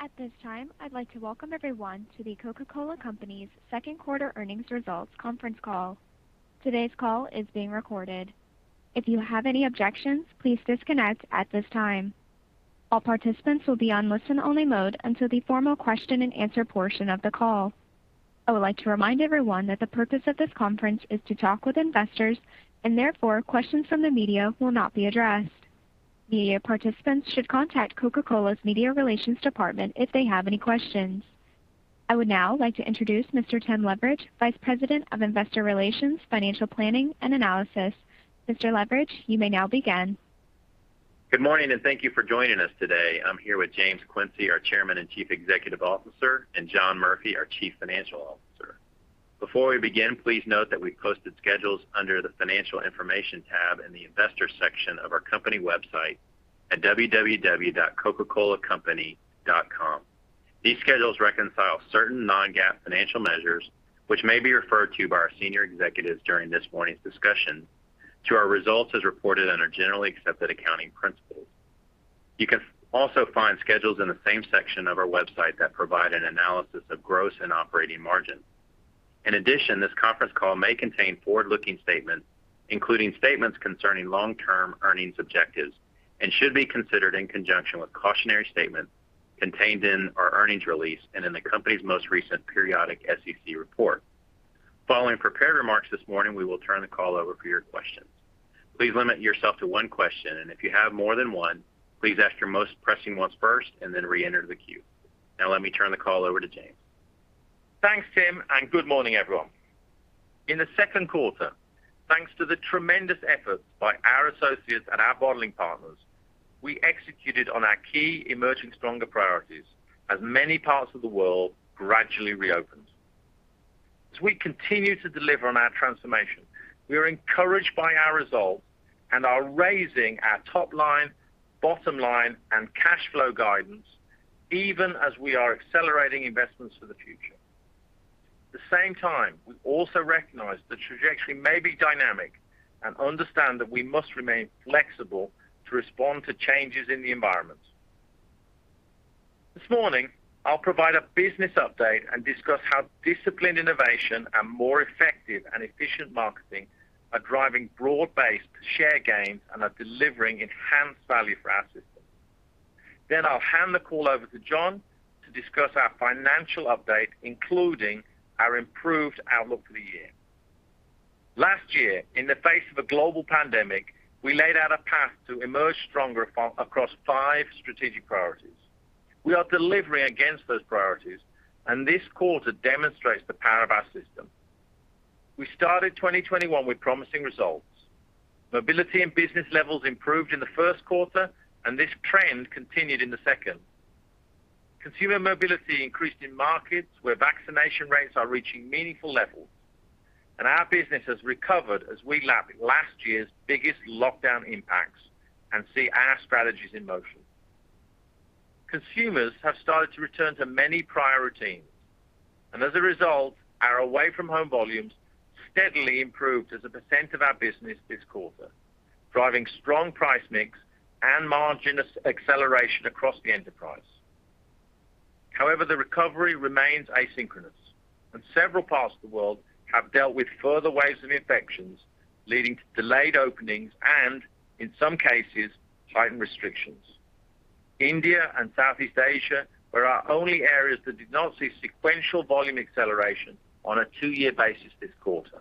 At this time, I'd like to welcome everyone to The Coca-Cola Company's second quarter earnings results conference call. Today's call is being recorded. If you have any objections, please disconnect at this time. All participants will be on listen-only mode until the formal question-and-answer portion of the call. I would like to remind everyone that the purpose of this conference is to talk with investors, and therefore, questions from the media will not be addressed. Media participants should contact Coca-Cola's media relations department if they have any questions. I would now like to introduce Mr. Tim Leveridge, Vice President of Investor Relations, Financial Planning, and Analysis. Mr. Leveridge, you may now begin. Good morning? Thank you for joining us today. I'm here with James Quincey, our Chairman and Chief Executive Officer, and John Murphy, our Chief Financial Officer. Before we begin, please note that we've posted schedules under the Financial Information tab in the Investors section of our company website at www.coca-colacompany.com. These schedules reconcile certain non-GAAP financial measures, which may be referred to by our senior executives during this morning's discussion to our results as reported under GAAP. You can also find schedules in the same section of our website that provide an analysis of gross and operating margin. In addition, this conference call may contain forward-looking statements, including statements concerning long-term earnings objectives and should be considered in conjunction with cautionary statements contained in our earnings release and in the company's most recent periodic SEC report. Following prepared remarks this morning, we will turn the call over for your questions. Please limit yourself to one question, and if you have more than one, please ask your most pressing ones first and then reenter the queue. Now let me turn the call over to James. Thanks, Tim. Good morning everyone? In the second quarter, thanks to the tremendous efforts by our associates and our bottling partners, we executed on our key emerging stronger priorities as many parts of the world gradually reopened. As we continue to deliver on our transformation, we are encouraged by our results and are raising our top line, bottom line, and cash flow guidance, even as we are accelerating investments for the future. At the same time, we also recognize the trajectory may be dynamic and understand that we must remain flexible to respond to changes in the environment. This morning, I'll provide a business update and discuss how disciplined innovation and more effective and efficient marketing are driving broad-based share gains and are delivering enhanced value for our system. I'll hand the call over to John to discuss our financial update, including our improved outlook for the year. Last year, in the face of a global pandemic, we laid out a path to emerge stronger across 5 strategic priorities. We are delivering against those priorities, and this quarter demonstrates the power of our system. We started 2021 with promising results. Mobility and business levels improved in the first quarter, and this trend continued in the second. Consumer mobility increased in markets where vaccination rates are reaching meaningful levels, and our business has recovered as we lap last year's biggest lockdown impacts and see our strategies in motion. Consumers have started to return to many prior routines, and as a result, our away-from-home volumes steadily improved as a percentage of our business this quarter, driving strong price mix and margin acceleration across the enterprise. However, the recovery remains asynchronous and several parts of the world have dealt with further waves of infections, leading to delayed openings and in some cases, tightened restrictions. India and Southeast Asia were our only areas that did not see sequential volume acceleration on a two-year basis this quarter.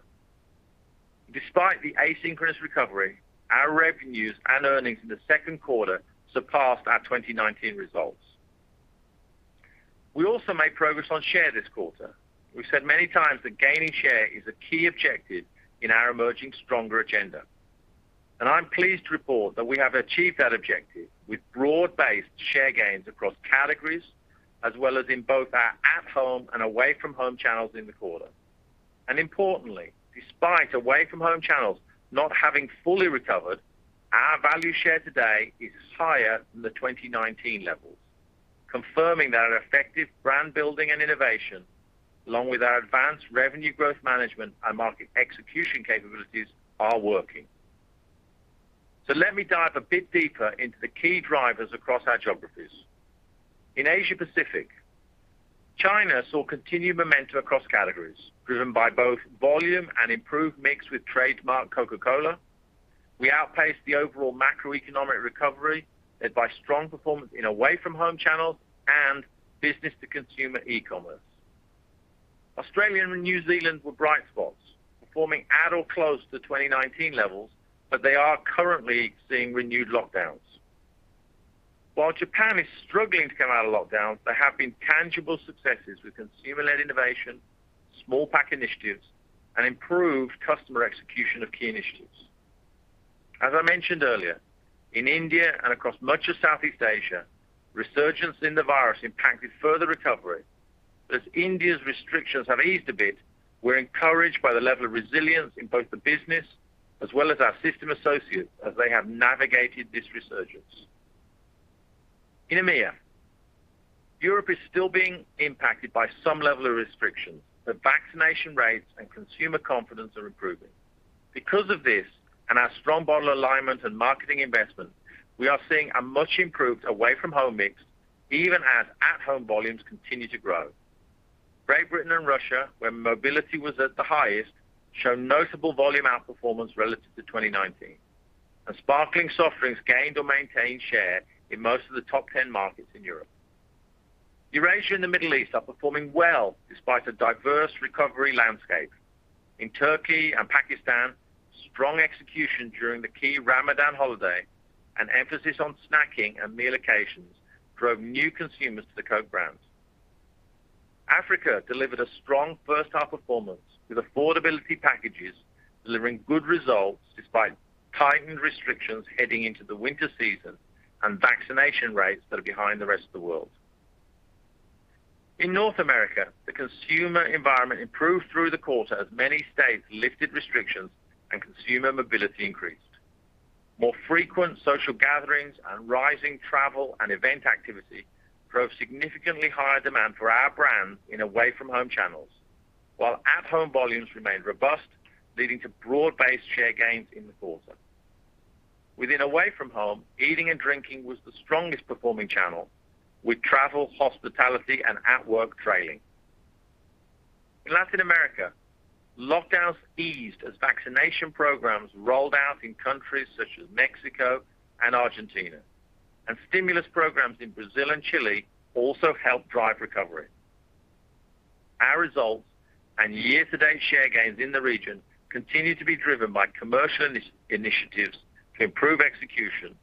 Despite the asynchronous recovery, our revenues and earnings in the second quarter surpassed our 2019 results. We also made progress on share this quarter. We've said many times that gaining share is a key objective in our Emerging Stronger Agenda. I'm pleased to report that we have achieved that objective with broad-based share gains across categories, as well as in both our at-home and away-from-home channels in the quarter. Importantly, despite away-from-home channels not having fully recovered, our value share today is higher than the 2019 levels, confirming that our effective brand building and innovation, along with our advanced revenue growth management and market execution capabilities, are working. Let me dive a bit deeper into the key drivers across our geographies. In Asia Pacific, China saw continued momentum across categories, driven by both volume and improved mix with trademark Coca-Cola. We outpaced the overall macroeconomic recovery led by strong performance in away-from-home channels and business-to-consumer E-commerce. Australia and New Zealand were bright spots, performing at or close to 2019 levels, but they are currently seeing renewed lockdowns. While Japan is struggling to come out of lockdowns, there have been tangible successes with consumer-led innovation, small pack initiatives, and improved customer execution of key initiatives. In India and across much of Southeast Asia, resurgence in the virus impacted further recovery. As India's restrictions have eased a bit, we're encouraged by the level of resilience in both the business as well as our system associates as they have navigated this resurgence. In EMEA, Europe is still being impacted by some level of restrictions, vaccination rates and consumer confidence are improving. Because of this and our strong bottle alignment and marketing investment, we are seeing a much improved away-from-home mix even as at-home volumes continue to grow. Great Britain and Russia, where mobility was at the highest, show notable volume outperformance relative to 2019, sparkling soft drinks gained or maintained share in most of the top 10 markets in Europe. Eurasia and the Middle East are performing well despite a diverse recovery landscape. In Turkey and Pakistan, strong execution during the key Ramadan holiday, an emphasis on snacking and meal occasions drove new consumers to the Coke brands. Africa delivered a strong first half performance with affordability packages delivering good results despite tightened restrictions heading into the winter season and vaccination rates that are behind the rest of the world. In North America, the consumer environment improved through the quarter as many states lifted restrictions and consumer mobility increased. More frequent social gatherings and rising travel and event activity drove significantly higher demand for our brands in away-from-home channels, while at-home volumes remained robust, leading to broad-based share gains in the quarter. Within away-from-home, eating and drinking was the strongest performing channel, with travel, hospitality, and at work trailing. In Latin America, lockdowns eased as vaccination programs rolled out in countries such as Mexico and Argentina, and stimulus programs in Brazil and Chile also helped drive recovery. Our results and year-to-date share gains in the region continue to be driven by commercial initiatives to improve execution,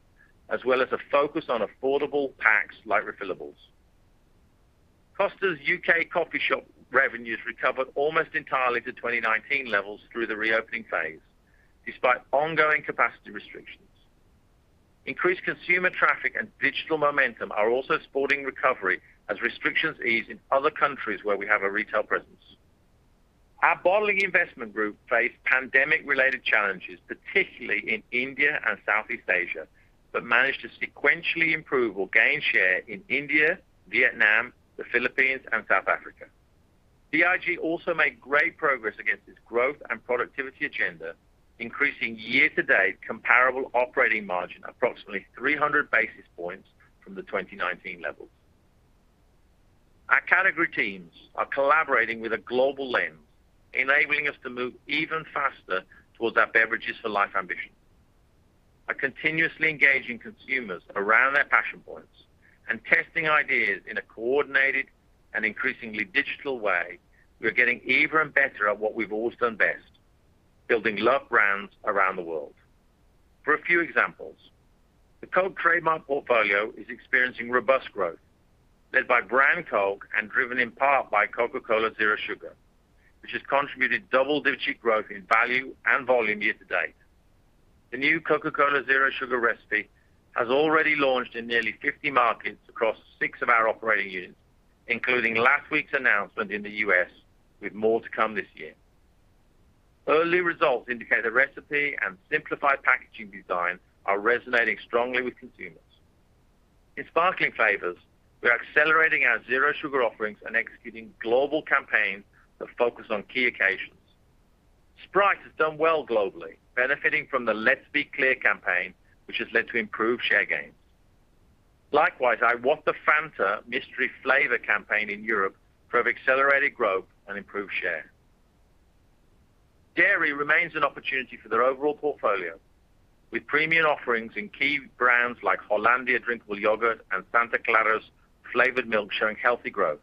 as well as a focus on affordable packs like refillables. Costa's U.K. coffee shop revenues recovered almost entirely to 2019 levels through the reopening phase, despite ongoing capacity restrictions. Increased consumer traffic and digital momentum are also supporting recovery as restrictions ease in other countries where we have a retail presence. Our Bottling Investments Group faced pandemic-related challenges, particularly in India and Southeast Asia, but managed to sequentially improve or gain share in India, Vietnam, the Philippines, and South Africa. BIG also made great progress against its growth and productivity agenda, increasing year-to-date comparable operating margin approximately 300 basis points from the 2019 levels. Our category teams are collaborating with a global lens, enabling us to move even faster towards our beverages for life ambition. By continuously engaging consumers around their passion points and testing ideas in a coordinated and increasingly digital way, we are getting even better at what we've always done best, building loved brands around the world. For a few examples, the Coke trademark portfolio is experiencing robust growth, led by brand Coke and driven in part by Coca-Cola Zero Sugar, which has contributed double-digit growth in value and volume year to date. The new Coca-Cola Zero Sugar recipe has already launched in nearly 50 markets across six of our operating units, including last week's announcement in the U.S., with more to come this year. Early results indicate the recipe and simplified packaging design are resonating strongly with consumers. In sparkling flavors, we are accelerating our zero sugar offerings and executing global campaigns that focus on key occasions. Sprite has done well globally, benefiting from the Let's Be Clear campaign, which has led to improved share gains. Likewise, our What the Fanta mystery flavor campaign in Europe drove accelerated growth and improved share. Dairy remains an opportunity for their overall portfolio, with premium offerings in key brands like Hollandia drinkable yogurt and Santa Clara's flavored milk showing healthy growth.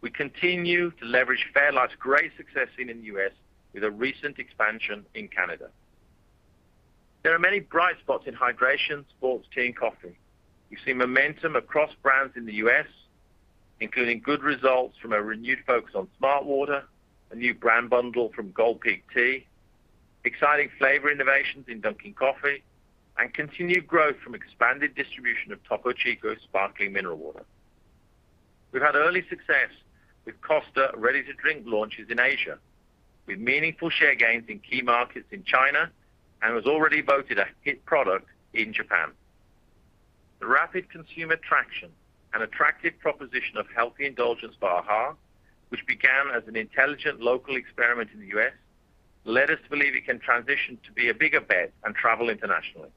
We continue to leverage fairlife's great success in the U.S. with a recent expansion in Canada. There are many bright spots in hydration, sports, tea, and coffee. You see momentum across brands in the U.S., including good results from a renewed focus on Smartwater, a new brand bundle from Gold Peak Tea, exciting flavor innovations in Dunkin' Coffee, and continued growth from expanded distribution of Topo Chico sparkling mineral water. We've had early success with Costa ready-to-drink launches in Asia, with meaningful share gains in key markets in China and was already voted a hit product in Japan. The rapid consumer traction and attractive proposition of healthy indulgence AHA, which began as an intelligent local experiment in the U.S., led us to believe it can transition to be a bigger bet and travel internationally.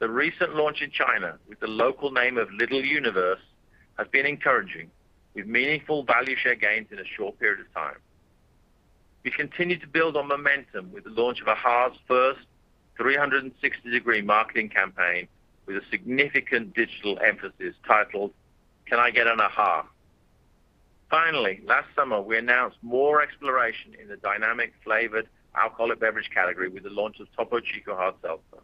The recent launch in China with the local name of Little Universe has been encouraging with meaningful value share gains in a short period of time. We continue to build on momentum with the launch of AHA's first 360-degree marketing campaign with a significant digital emphasis titled Can I Get an AHA? Last summer, we announced more exploration in the dynamic flavored alcoholic beverage category with the launch of Topo Chico Hard Seltzer.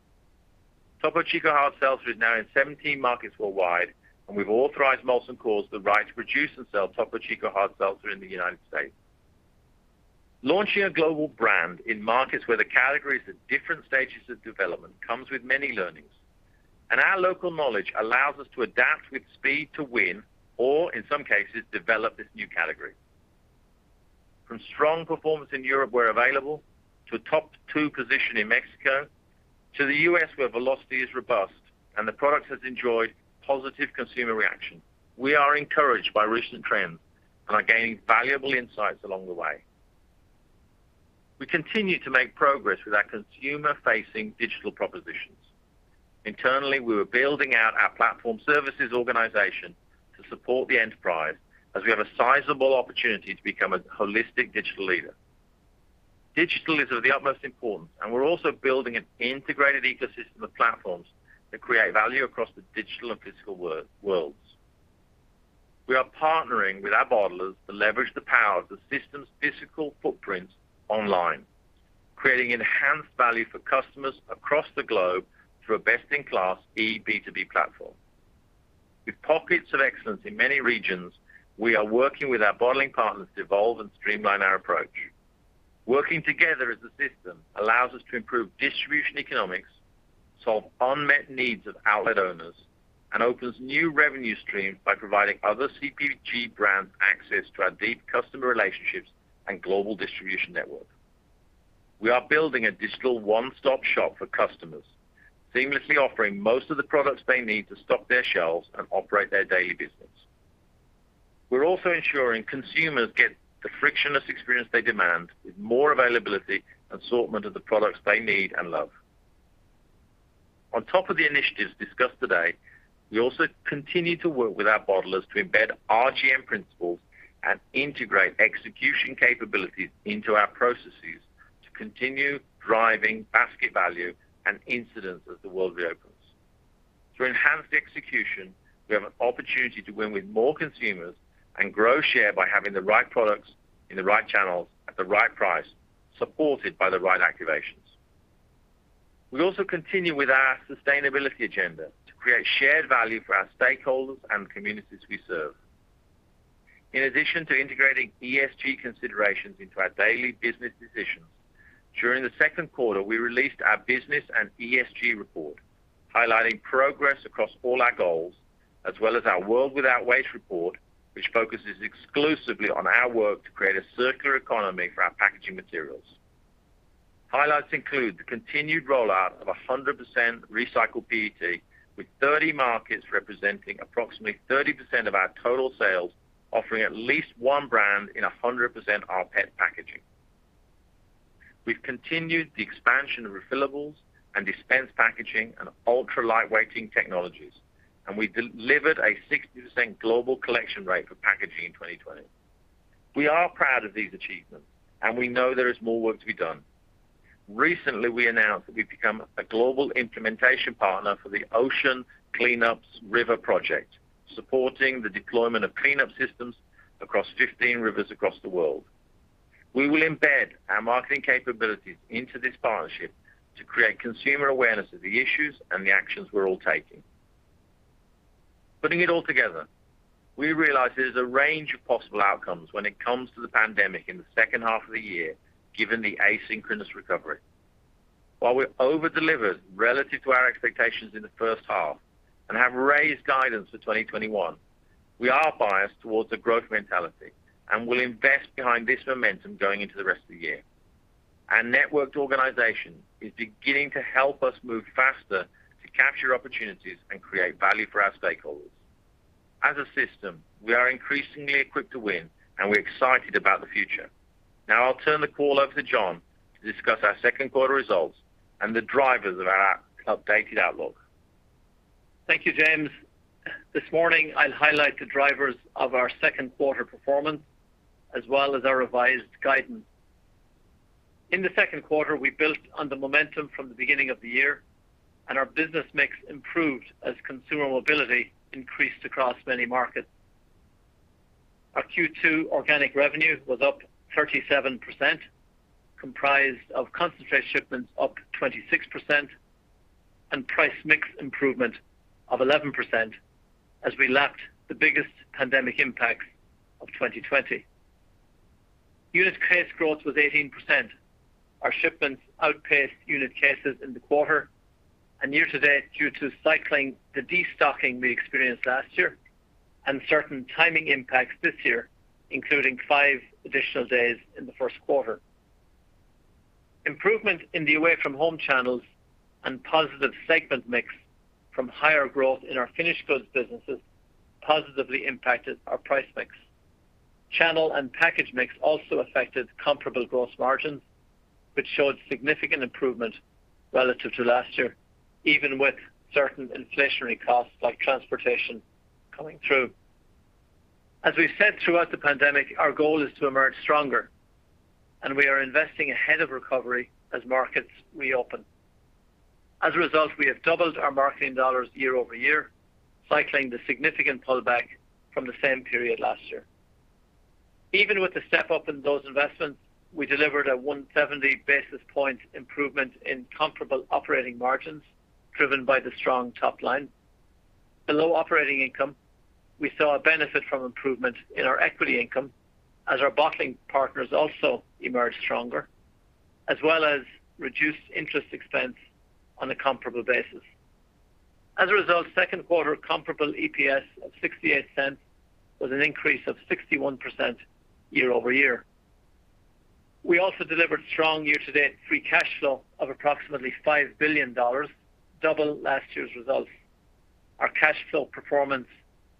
Topo Chico Hard Seltzer is now in 17 markets worldwide. We've authorized Molson Coors the right to produce and sell Topo Chico Hard Seltzer in the United States. Launching a global brand in markets where the category is at different stages of development comes with many learnings. Our local knowledge allows us to adapt with speed to win, or in some cases, develop this new category. From strong performance in Europe where available, to a top two position in Mexico. To the U.S. where velocity is robust and the product has enjoyed positive consumer reaction. We are encouraged by recent trends and are gaining valuable insights along the way. We continue to make progress with our consumer-facing digital propositions. Internally, we are building out our platform services organization to support the enterprise, as we have a sizable opportunity to become a holistic digital leader. Digital is of the utmost importance, and we're also building an integrated ecosystem of platforms to create value across the digital and physical worlds. We are partnering with our bottlers to leverage the power of the system's physical footprint online, creating enhanced value for customers across the globe through a best-in-class eB2B platform. With pockets of excellence in many regions, we are working with our bottling partners to evolve and streamline our approach. Working together as a system allows us to improve distribution economics, solve unmet needs of outlet owners, and opens new revenue streams by providing other CPG brands access to our deep customer relationships and global distribution network. We are building a digital one-stop shop for customers, seamlessly offering most of the products they need to stock their shelves and operate their daily business. We're also ensuring consumers get the frictionless experience they demand, with more availability and assortment of the products they need and love. On top of the initiatives discussed today, we also continue to work with our bottlers to embed RGM principles and integrate execution capabilities into our processes to continue driving basket value and incidence as the world reopens. To enhance the execution, we have an opportunity to win with more consumers and grow share by having the right products in the right channels at the right price, supported by the right activations. We also continue with our sustainability agenda to create shared value for our stakeholders and the communities we serve. In addition to integrating ESG considerations into our daily business decisions, during the second quarter, we released our business and ESG report, highlighting progress across all our goals, as well as our World Without Waste report, which focuses exclusively on our work to create a circular economy for our packaging materials. Highlights include the continued rollout of 100% recycled PET, with 30 markets representing approximately 30% of our total sales, offering at least one brand in 100% rPET packaging. We've continued the expansion of refillables and dispense packaging and ultra light weighting technologies, and we delivered a 60% global collection rate for packaging in 2020. We are proud of these achievements, and we know there is more work to be done. Recently, we announced that we've become a global implementation partner for The Ocean Cleanup's river project, supporting the deployment of cleanup systems across 15 rivers across the world. We will embed our marketing capabilities into this partnership to create consumer awareness of the issues and the actions we're all taking. Putting it all together, we realize there's a range of possible outcomes when it comes to the pandemic in the second half of the year, given the asynchronous recovery. While we've over-delivered relative to our expectations in the first half and have raised guidance for 2021, we are biased towards a growth mentality and will invest behind this momentum going into the rest of the year. Our networked organization is beginning to help us move faster to capture opportunities and create value for our stakeholders. As a system, we are increasingly equipped to win, and we're excited about the future. Now I'll turn the call over to John to discuss our second quarter results and the drivers of our updated outlook. Thank you, James. This morning, I will highlight the drivers of our second quarter performance, as well as our revised guidance. In the second quarter, we built on the momentum from the beginning of the year, and our business mix improved as consumer mobility increased across many markets. Our Q2 organic revenue was up 37%, comprised of concentrate shipments up 26% and price mix improvement of 11% as we lapped the biggest pandemic impacts of 2020. Unit case growth was 18%. Our shipments outpaced unit cases in the quarter and year to date due to cycling the destocking we experienced last year and certain timing impacts this year, including five additional days in the first quarter. Improvement in the away from home channels and positive segment mix from higher growth in our finished goods businesses positively impacted our price mix. Channel and package mix also affected comparable gross margins, which showed significant improvement relative to last year, even with certain inflationary costs like transportation coming through. As we've said throughout the pandemic, our goal is to emerge stronger, and we are investing ahead of recovery as markets reopen. As a result, we have doubled our marketing dollars year-over-year, cycling the significant pullback from the same period last year. Even with the step-up in those investments, we delivered a 170 basis point improvement in comparable operating margins, driven by the strong top line. Below operating income, we saw a benefit from improvement in our equity income as our bottling partners also emerged stronger, as well as reduced interest expense on a comparable basis. As a result, second quarter comparable EPS of $0.68 was an increase of 61% year-over-year. We also delivered strong year-to-date free cash flow of approximately $5 billion, double last year's results. Our cash flow performance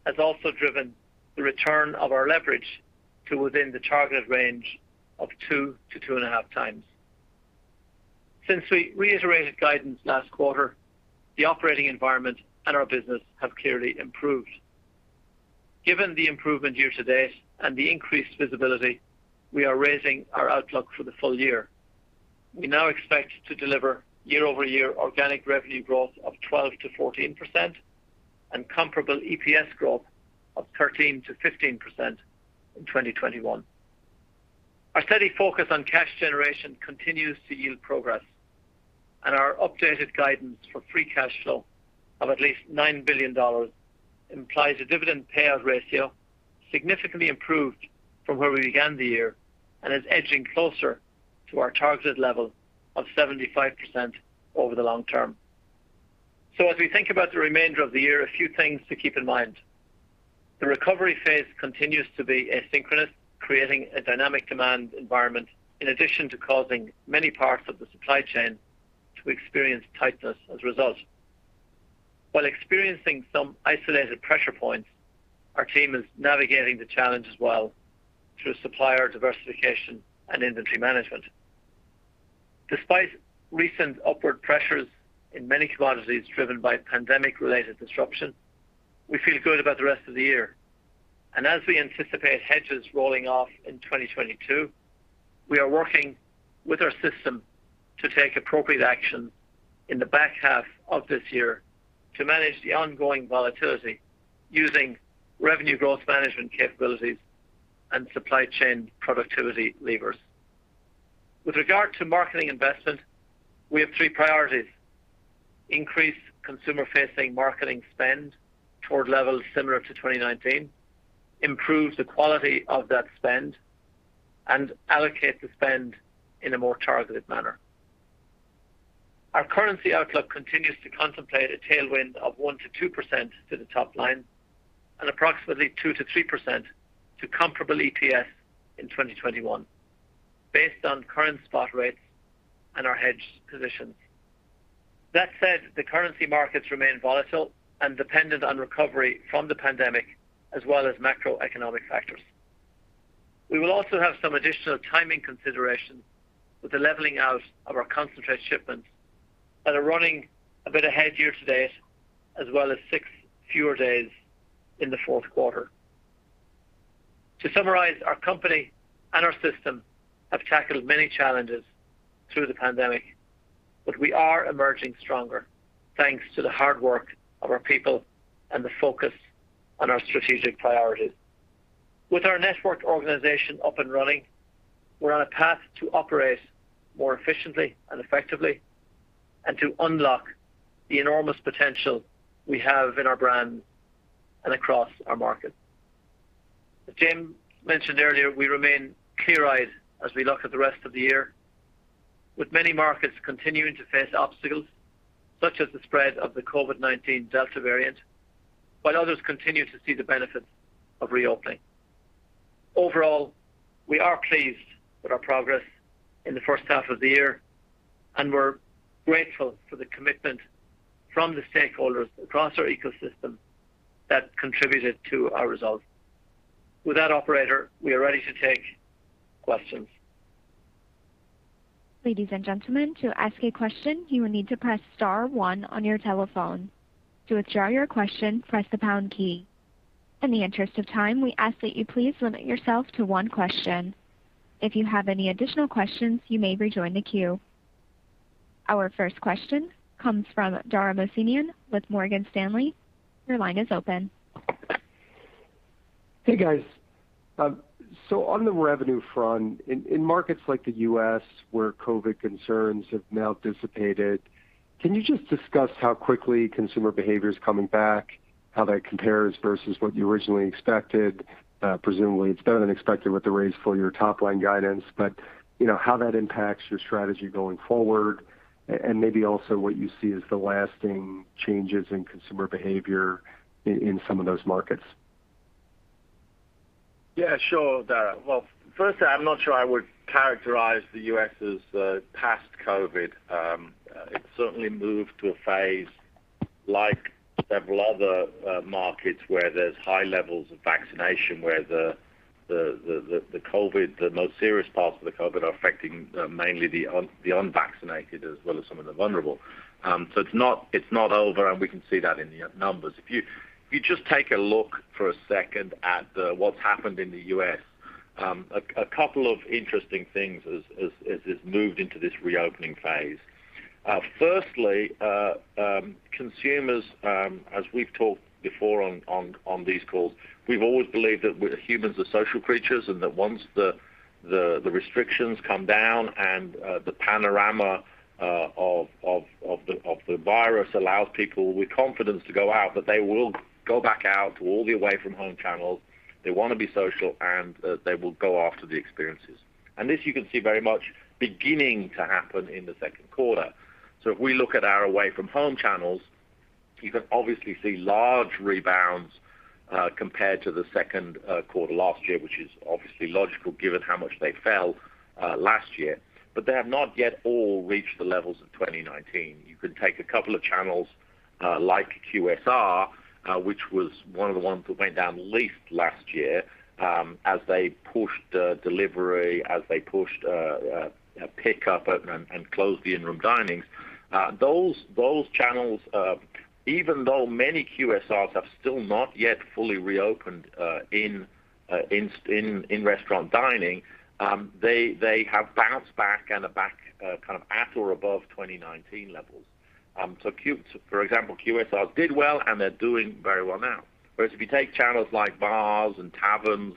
has also driven the return of our leverage to within the targeted range of 2x-2.5x. Since we reiterated guidance last quarter, the operating environment and our business have clearly improved. Given the improvement year-to-date and the increased visibility, we are raising our outlook for the full year. We now expect to deliver year-over-year organic revenue growth of 12%-14% and comparable EPS growth of 13%-15% in 2021. Our steady focus on cash generation continues to yield progress and our updated guidance for free cash flow of at least $9 billion implies a dividend payout ratio significantly improved from where we began the year and is edging closer to our targeted level of 75% over the long term. As we think about the remainder of the year, a few things to keep in mind. The recovery phase continues to be asynchronous, creating a dynamic demand environment, in addition to causing many parts of the supply chain to experience tightness as a result. While experiencing some isolated pressure points, our team is navigating the challenge as well through supplier diversification and inventory management. Despite recent upward pressures in many commodities driven by pandemic-related disruption, we feel good about the rest of the year. As we anticipate hedges rolling off in 2022, we are working with our system to take appropriate action in the back half of this year to manage the ongoing volatility using revenue growth management capabilities and supply chain productivity levers. With regard to marketing investment, we have three priorities. Increase consumer-facing marketing spend toward levels similar to 2019, improve the quality of that spend, and allocate the spend in a more targeted manner. Our currency outlook continues to contemplate a tailwind of 1%-2% to the top line and approximately 2%-3% to comparable EPS in 2021 based on current spot rates and our hedged positions. The currency markets remain volatile and dependent on recovery from the pandemic as well as macroeconomic factors. We will also have some additional timing considerations with the leveling out of our concentrate shipments that are running a bit ahead year to date as well as six fewer days in the fourth quarter. Our company and our system have tackled many challenges through the pandemic, but we are emerging stronger thanks to the hard work of our people and the focus on our strategic priorities. With our networked organization up and running, we're on a path to operate more efficiently and effectively and to unlock the enormous potential we have in our brand and across our market. As Jim mentioned earlier, we remain clear-eyed as we look at the rest of the year with many markets continuing to face obstacles such as the spread of the COVID-19 Delta variant while others continue to see the benefits of reopening. Overall, we are pleased with our progress in the first half of the year, and we're grateful for the commitment from the stakeholders across our ecosystem that contributed to our results. With that, operator, we are ready to take questions. Ladies and gentlemen to ask a question you will need to press star one on your telephone. To withdraw you question press the pound key. At this time we ask to limit yourself to one question. If you have additional questions you may rejoin the queue. Our first question comes from Dara Mohsenian with Morgan Stanley, your line is open. Hey guys? On the revenue front, in markets like the U.S. where COVID-19 concerns have now dissipated, can you just discuss how quickly consumer behavior is coming back, how that compares versus what you originally expected? Presumably it's been unexpected with the raised full-year top-line guidance, but how that impacts your strategy going forward and maybe also what you see as the lasting changes in consumer behavior in some of those markets. Yeah, sure, Dara. Well, firstly, I'm not sure I would characterize the U.S. as past COVID-19. It certainly moved to a phase like several other markets where there's high levels of vaccination, where the most serious parts of the COVID-19 are affecting mainly the unvaccinated as well as some of the vulnerable. It's not over, and we can see that in the numbers. If you just take a look for a second at what's happened in the U.S., a couple of interesting things as it's moved into this reopening phase. Firstly, consumers, as we've talked before on these calls, we've always believed that humans are social creatures and that once the restrictions come down and the panorama of the virus allows people with confidence to go out, that they will go back out to all the away-from-home channels. They want to be social, they will go after the experiences. This you can see very much beginning to happen in the second quarter. If we look at our away-from-home channels You can obviously see large rebounds, compared to the second quarter last year, which is obviously logical given how much they fell last year. They have not yet all reached the levels of 2019. You can take a couple of channels, like QSR, which was one of the ones that went down least last year, as they pushed delivery, as they pushed pickup and closed the in-room dinings. Those channels, even though many QSRs have still not yet fully reopened in restaurant dining, they have bounced back and are back at or above 2019 levels. For example, QSRs did well, and they're doing very well now. Whereas if you take channels like bars and taverns,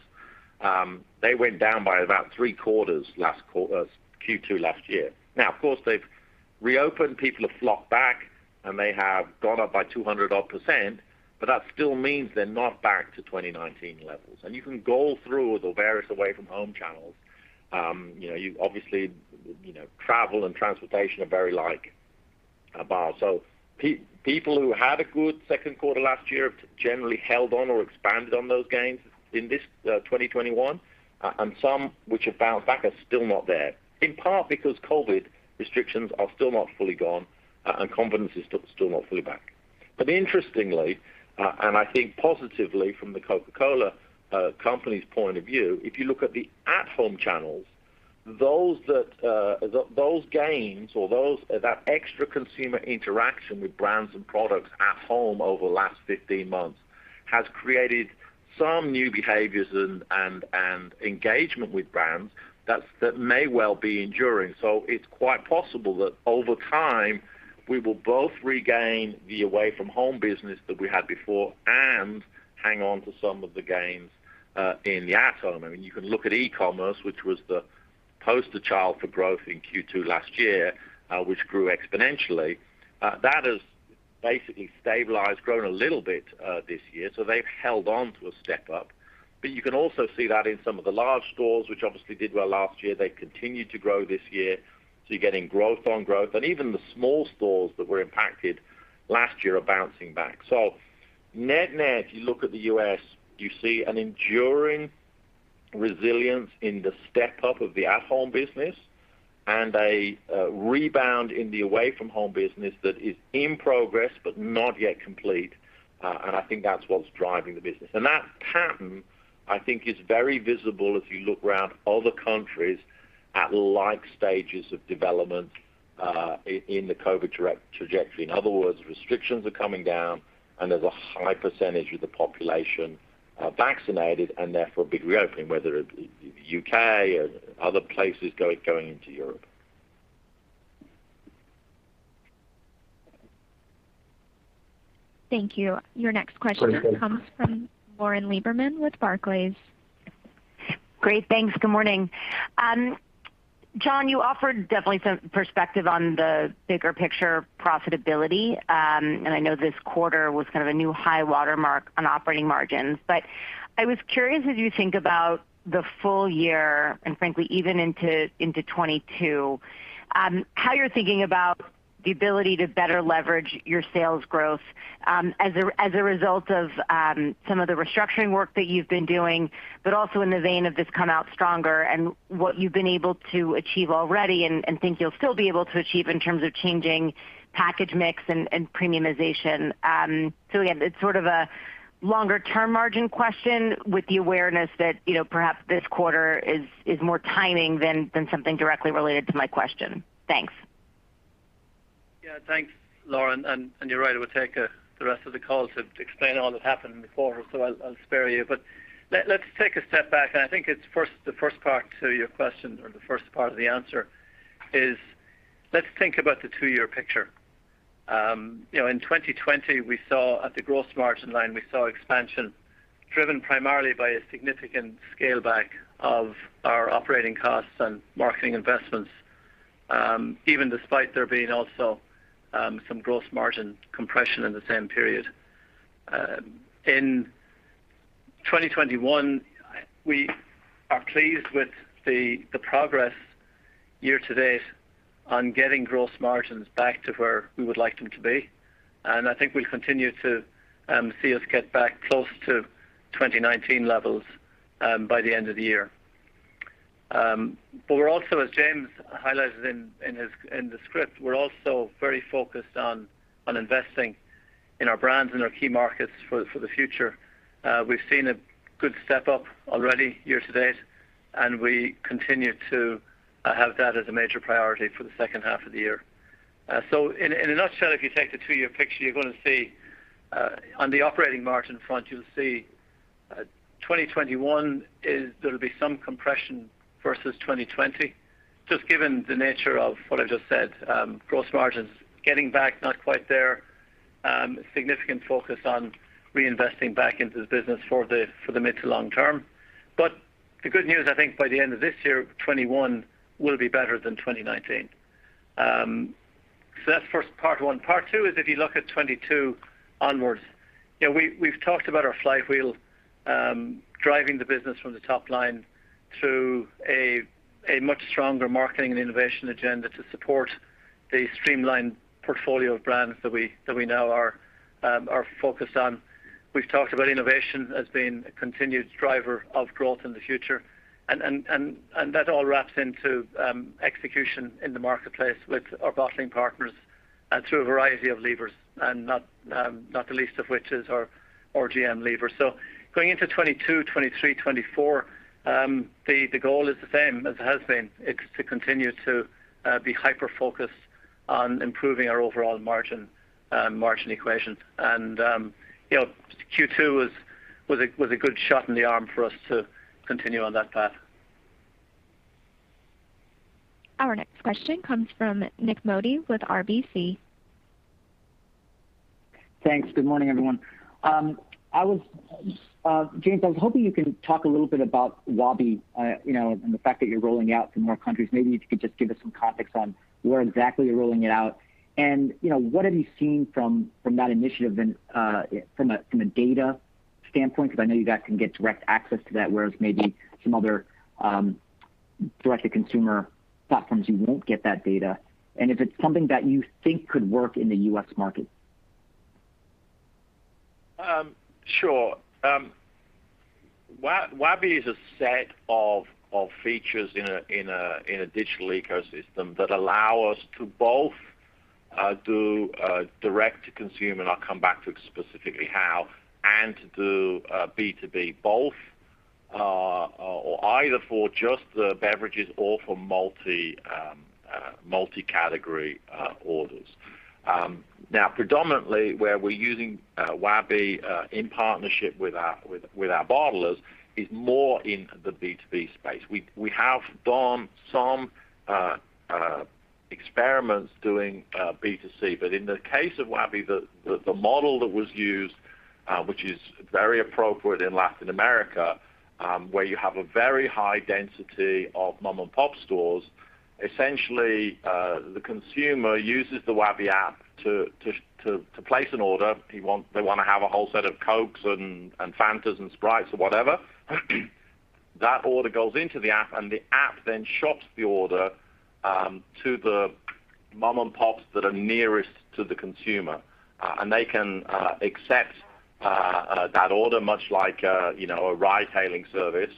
they went down by about three-quarters Q2 last year. Of course, they've reopened. People have flocked back, and they have gone up by 200-odd%, but that still means they're not back to 2019 levels. You can go through the various away-from-home channels. Obviously, travel and transportation are very like a bar. People who had a good second quarter last year have generally held on or expanded on those gains in this 2021, and some which have bounced back are still not there, in part because COVID restrictions are still not fully gone, and confidence is still not fully back. Interestingly, and I think positively from the Coca-Cola Company's point of view, if you look at the at-home channels, those gains or that extra consumer interaction with brands and products at home over the last 15 months has created some new behaviors and engagement with brands that may well be enduring. It's quite possible that over time, we will both regain the away-from-home business that we had before and hang on to some of the gains, in the at-home. You can look at E-commerce, which was the poster child for growth in Q2 last year, which grew exponentially. That has basically stabilized, grown a little bit, this year. They've held on to a step up. You can also see that in some of the large stores, which obviously did well last year, they've continued to grow this year. You're getting growth on growth. Even the small stores that were impacted last year are bouncing back. Net-net, you look at the U.S., you see an enduring resilience in the step-up of the at-home business and a rebound in the away-from-home business that is in progress but not yet complete. I think that's what's driving the business. That pattern, I think, is very visible as you look around other countries at like stages of development, in the COVID trajectory. In other words, restrictions are coming down and there's a high percentage of the population vaccinated and therefore a big reopening, whether it be U.K. or other places going into Europe. Thank you. Your next question comes from Lauren Lieberman with Barclays. Great. Thanks. Good morning? John, you offered definitely some perspective on the bigger picture profitability. I know this quarter was kind of a new high watermark on operating margins. I was curious, as you think about the full year, and frankly, even into 2022, how you're thinking about the ability to better leverage your sales growth, as a result of some of the restructuring work that you've been doing, but also in the vein of this come out stronger and what you've been able to achieve already and think you'll still be able to achieve in terms of changing package mix and premiumization. Again, it's sort of a longer-term margin question with the awareness that perhaps this quarter is more timing than something directly related to my question. Thanks. Thanks, Lauren, and you're right. It would take the rest of the call to explain all that happened before, so I'll spare you. Let's take a step back, and I think the first part to your question or the first part of the answer is, let's think about the two-year picture. In 2020, at the gross margin line, we saw expansion driven primarily by a significant scale back of our operating costs and marketing investments, even despite there being also some gross margin compression in the same period. In 2021, we are pleased with the progress year to date on getting gross margins back to where we would like them to be, and I think we'll continue to see us get back close to 2019 levels by the end of the year. As James highlighted in the script, we're also very focused on investing in our brands and our key markets for the future. We've seen a good step up already year to date, and we continue to have that as a major priority for the second half of the year. In a nutshell, if you take the two-year picture, on the operating margin front, you'll see 2021, there'll be some compression versus 2020, just given the nature of what I just said. Gross margins getting back, not quite there. Significant focus on reinvesting back into the business for the mid to long term. The good news, I think by the end of this year, 2021 will be better than 2019. That's part one. Part two is if you look at 2022 onwards. We've talked about our flywheel driving the business from the top line through a much stronger marketing and innovation agenda to support the streamlined portfolio of brands that we now are focused on. We've talked about innovation as being a continued driver of growth in the future. That all wraps into execution in the marketplace with our bottling partners through a variety of levers, not the least of which is our RGM lever. Going into 2022, 2023, 2024, the goal is the same as it has been. It's to continue to be hyper-focused on improving our overall margin equation. Q2 was a good shot in the arm for us to continue on that path. Our next question comes from Nik Modi with RBC. Thanks. Good morning everyone? James Quincey, I was hoping you could talk a little bit about Wabi and the fact that you're rolling out to more countries. Maybe if you could just give us some context on where exactly you're rolling it out and what have you seen from that initiative from a data standpoint, because I know you guys can get direct access to that, whereas maybe some other direct-to-consumer platforms you won't get that data. If it's something that you think could work in the U.S. market? Sure. Wabi is a set of features in a digital ecosystem that allow us to both do direct to consumer, and I'll come back to specifically how, and to do B2B, either for just the beverages or for multi-category orders. Predominantly where we're using Wabi in partnership with our bottlers is more in the B2B space. We have done some experiments doing B2C, in the case of Wabi, the model that was used, which is very appropriate in Latin America, where you have a very high density of mom-and-pop stores. Essentially, the consumer uses the Wabi app to place an order. They want to have a whole set of Cokes and Fantas and Sprites or whatever. That order goes into the app and the app then shops the order to the mom-and-pops that are nearest to the consumer, and they can accept that order much like a ride-hailing service.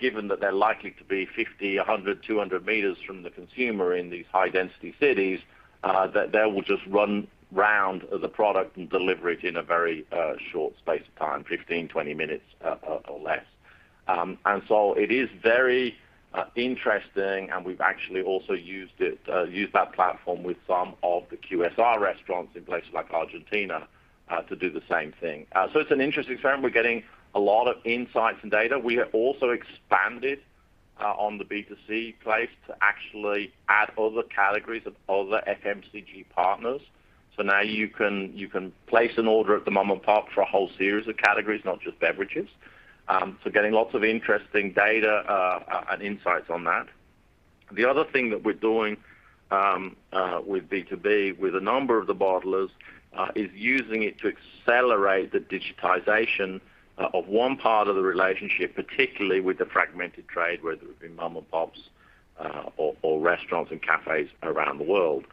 Given that they're likely to be 50 m, 100 m, 200 m from the consumer in these high-density cities, that they will just run round the product and deliver it in a very short space of time, 15 minutes-20 minutes or less. It is very interesting and we've actually also used that platform with some of the QSR restaurants in places like Argentina to do the same thing. It's an interesting experiment. We're getting a lot of insights and data. We have also expanded on the B2C place to actually add other categories of other FMCG partners. Now you can place an order at the mom-and-pop for a whole series of categories, not just beverages. The other thing that we're doing with B2B with a number of the bottlers, is using it to accelerate the digitization of one part of the relationship, particularly with the fragmented trade, whether it be mom-and-pops or restaurants and cafes around the world.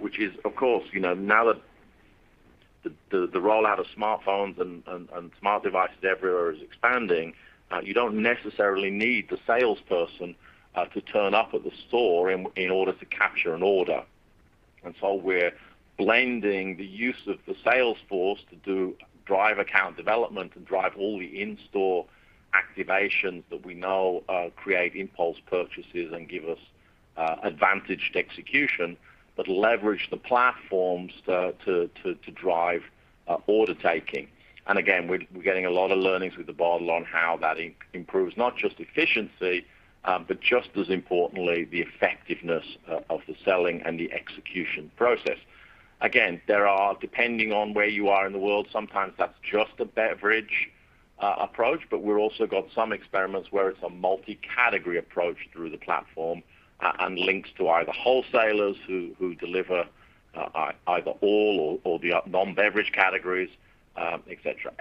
Which is, of course, now that the rollout of smartphones and smart devices everywhere is expanding you don't necessarily need the salesperson to turn up at the store in order to capture an order. We're blending the use of the sales force to do drive account development and drive all the in-store activations that we know create impulse purchases and give us advantaged execution, but leverage the platforms to drive order taking. Again, we're getting a lot of learnings with the bottler on how that improves, not just efficiency, but just as importantly, the effectiveness of the selling and the execution process. There are, depending on where you are in the world, sometimes that's just a beverage approach, but we've also got some experiments where it's a multi-category approach through the platform and links to either wholesalers who deliver either all or the non-beverage categories et cetera.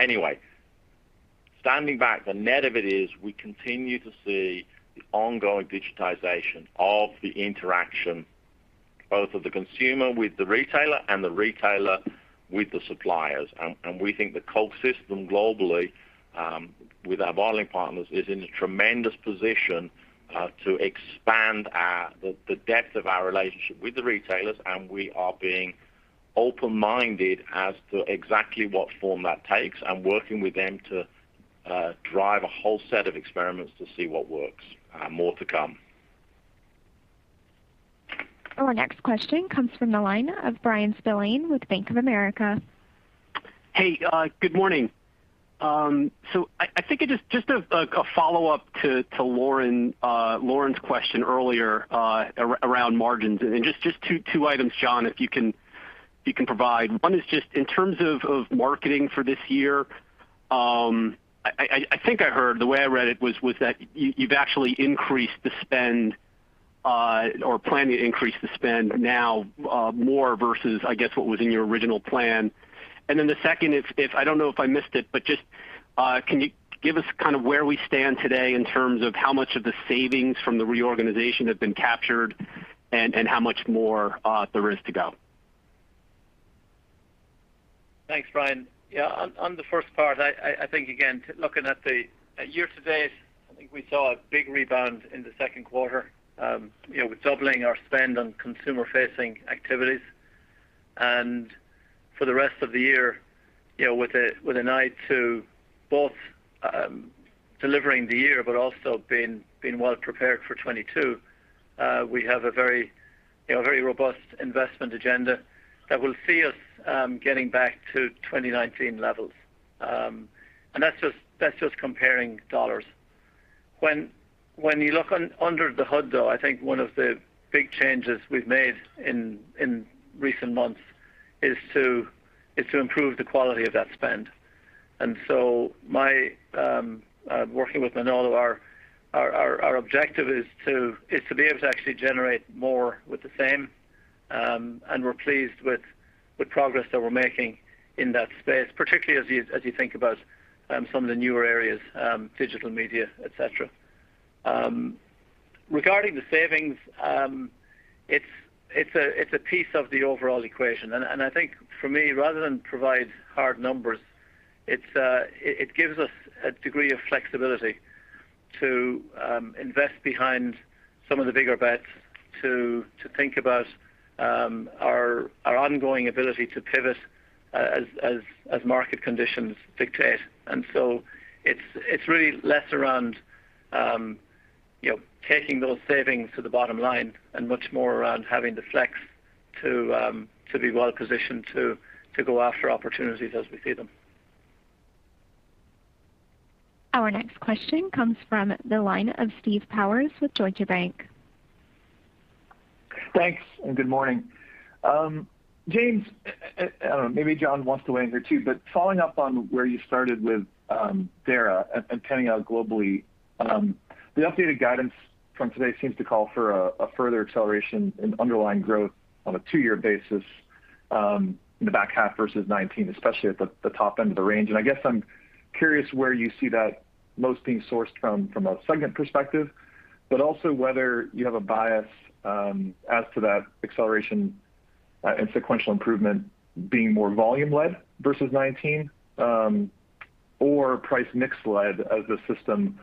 Standing back, the net of it is we continue to see the ongoing digitization of the interaction, both of the consumer with the retailer and the retailer with the suppliers. We think the Coke system globally, with our bottling partners, is in a tremendous position to expand the depth of our relationship with the retailers. We are being open-minded as to exactly what form that takes and working with them to drive a whole set of experiments to see what works. More to come. Our next question comes from the line of Bryan Spillane with Bank of America. Hey, good morning? I think just a follow-up to Lauren's question earlier around margins and just two items, John, if you can provide. One is just in terms of marketing for this year, I think I heard, the way I read it was that you've actually increased the spend or planning to increase the spend now more versus, I guess, what was in your original plan. The second is, I don't know if I missed it, but just can you give us kind of where we stand today in terms of how much of the savings from the reorganization have been captured and how much more there is to go? Thanks, Bryan. Yeah. On the first part, I think, again, looking at the year to date, I think we saw a big rebound in the second quarter with doubling our spend on consumer facing activities. For the rest of the year, with an eye to both delivering the year, but also being well prepared for 2022, we have a very robust investment agenda that will see us getting back to 2019 levels. That's just comparing dollars. When you look under the hood, though, I think one of the big changes we've made in recent months is to improve the quality of that spend. Working with Manolo, our objective is to be able to actually generate more with the same, and we're pleased with the progress that we're making in that space, particularly as you think about some of the newer areas, digital media, et cetera. Regarding the savings, it's a piece of the overall equation. I think for me, rather than provide hard numbers, it gives us a degree of flexibility to invest behind some of the bigger bets to think about our ongoing ability to pivot as market conditions dictate. It's really less around taking those savings to the bottom line and much more around having the flex to be well positioned to go after opportunities as we see them. Our next question comes from the line of Steve Powers with Deutsche Bank. Thanks, and good morning? James, I don't know, maybe John wants to weigh in here too, but following up on where you started with Dara and panning out globally, the updated guidance from today seems to call for a further acceleration in underlying growth on a two-year basis in the back half versus 2019, especially at the top end of the range. I guess I'm curious where you see that most being sourced from a segment perspective, but also whether you have a bias as to that acceleration and sequential improvement being more volume led versus 2019, or price mix led as the system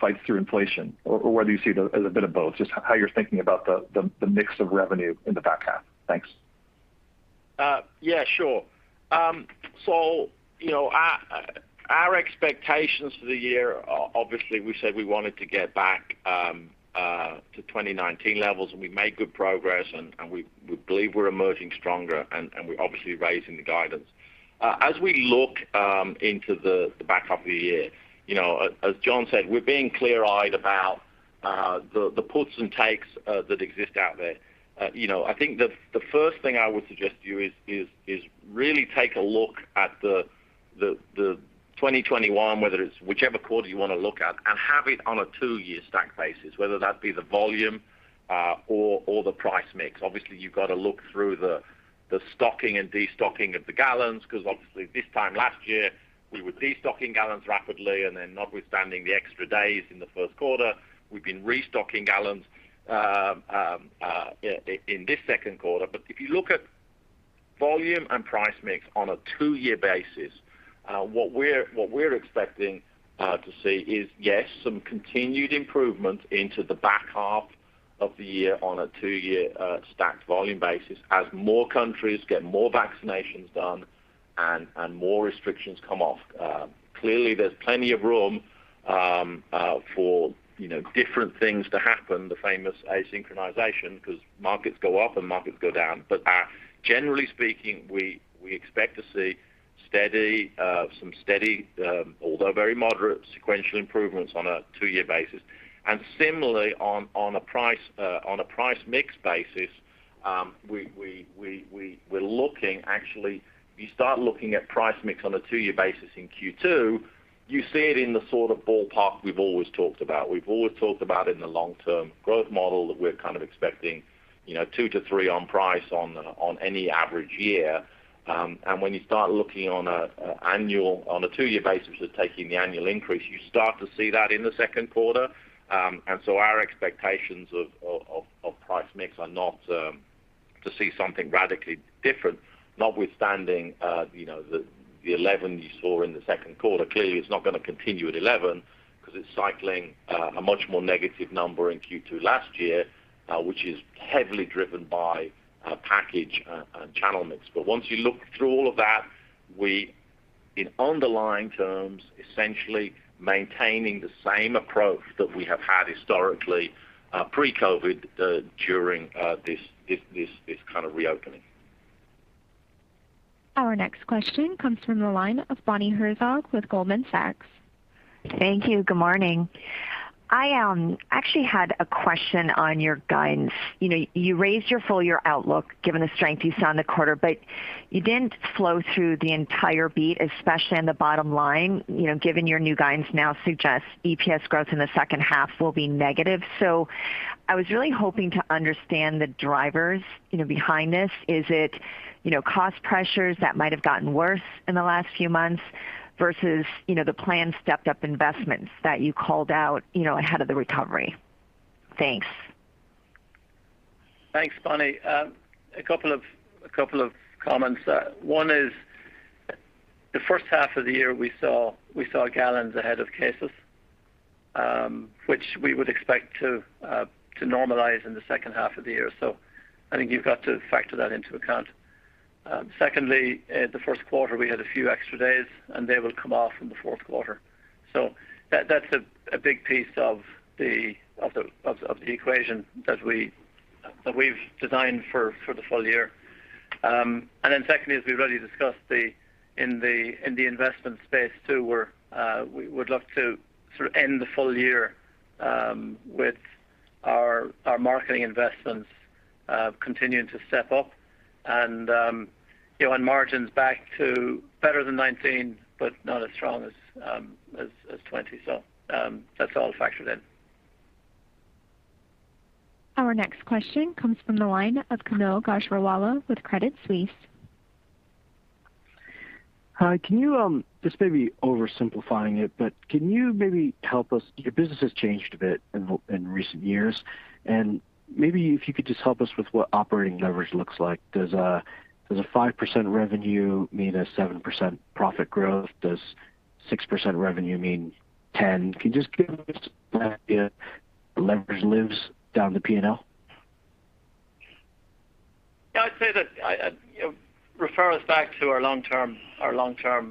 fights through inflation, or whether you see as a bit of both, just how you're thinking about the mix of revenue in the back half. Thanks. Yeah, sure. Our expectations for the year, obviously we said we wanted to get back to 2019 levels, and we made good progress and we believe we're emerging stronger and we're obviously raising the guidance. As we look into the back half of the year, as John said, we're being clear-eyed about the puts and takes that exist out there. I think the first thing I would suggest to you is really take a look at the 2021, whichever quarter you want to look at, and have it on a two-year stack basis, whether that be the volume or the price mix. Obviously, you've got to look through the stocking and de-stocking of the gallons because obviously this time last year, we were de-stocking gallons rapidly, and then notwithstanding the extra days in the first quarter, we've been restocking gallons in this second quarter. If you look at volume and price mix on a two-year basis, what we're expecting to see is, yes, some continued improvement into the back half of the year on a two-year stacked volume basis as more countries get more vaccinations done and more restrictions come off. Clearly, there's plenty of room for different things to happen, the famous asynchronization, because markets go up and markets go down. Generally speaking, we expect to see some steady, although very moderate, sequential improvements on a two-year basis. Similarly on a price mix basis, we're looking actually, if you start looking at price mix on a two-year basis in Q2, you see it in the sort of ballpark we've always talked about. We've always talked about it in the long-term growth model that we're kind of expecting two-three on price on any average year. When you start looking on a two-year basis of taking the annual increase, you start to see that in the second quarter. Our expectations of price mix are not to see something radically different, notwithstanding the 11% you saw in the second quarter. Clearly, it's not going to continue at 11% because it's cycling a much more negative number in Q2 last year, which is heavily driven by package and channel mix. Once you look through all of that, we, in underlying terms, essentially maintaining the same approach that we have had historically pre-COVID during this kind of reopening. Our next question comes from the line of Bonnie Herzog with Goldman Sachs. Thank you. Good morning? I actually had a question on your guidance. You raised your full year outlook, given the strength you saw in the quarter, but you didn't flow through the entire beat, especially on the bottom line, given your new guidance now suggests EPS growth in the second half will be negative. I was really hoping to understand the drivers behind this. Is it cost pressures that might have gotten worse in the last few months versus the planned stepped up investments that you called out ahead of the recovery? Thanks. Thanks, Bonnie. Two comments. One is, the first half of the year, we saw gallons ahead of cases, which we would expect to normalize in the second half of the year. I think you've got to factor that into account. Secondly, the first quarter, we had a few extra days, and they will come off in the fourth quarter. That's a big piece of the equation that we've designed for the full year. Secondly, as we already discussed, in the investment space too, we would love to end the full year with our marketing investments continuing to step up and margins back to better than 2019, but not as strong as 2020. That's all factored in. Our next question comes from the line of Kaumil Gajrawala with Credit Suisse. Hi. This may be oversimplifying it, but can you maybe help us? Your business has changed a bit in recent years. Maybe if you could just help us with what operating leverage looks like. Does a 5% revenue mean a 7% profit growth? Does 6% revenue mean 10%? Can you just give us an idea where leverage lives down the P&L? Yeah, I'd say that. Refer us back to our long-term